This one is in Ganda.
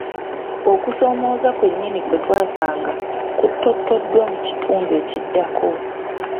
Okusoomooza kwennyini kwe twasanga kuttottoddwa mu kitundu ekiddako.